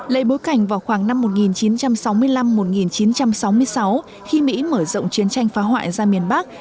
lấy bối cảnh vào khoảng năm một nghìn chín trăm sáu mươi năm một nghìn chín trăm sáu mươi sáu khi mỹ mở rộng chiến tranh phá hoại ra miền bắc